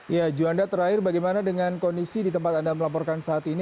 ya juanda terakhir bagaimana dengan kondisi di tempat anda melaporkan saat ini